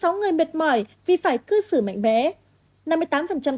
ba mươi sáu người mệt mỏi vì phải cư xử mạnh mẽ